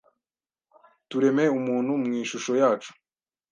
tureme umuntu mu ishusho yacu